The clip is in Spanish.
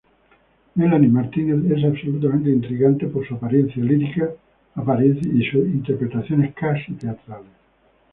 Melanie Martínez es absolutamente intrigante por su apariencia lírica y sus interpretaciones casi teatrales.